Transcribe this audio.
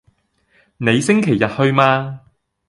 你星期日去嗎？